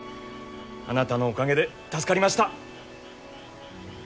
あなたのおかげで助かりました。